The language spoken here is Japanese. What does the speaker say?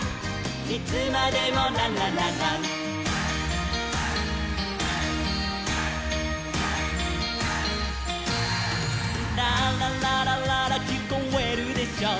「いつまでもランランランラン」「ララランランララきこえるでしょ」